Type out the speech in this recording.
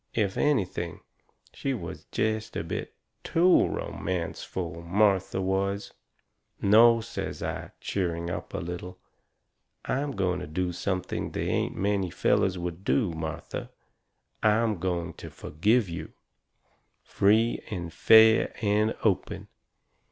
If anything, she was jest a bit TOO romanceful, Martha was. "No," says I, cheering up a little, "I am going to do something they ain't many fellers would do, Martha. I'm going to forgive you. Free and fair and open.